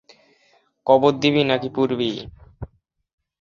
কবর দিবি, নাকি পুড়বি?